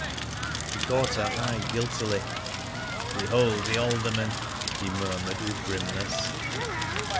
He caught her eye guiltily. "Behold the alderman!" she murmured with grimness.